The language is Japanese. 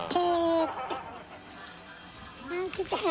あちっちゃい。